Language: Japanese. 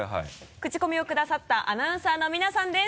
クチコミをくださったアナウンサーの皆さんです。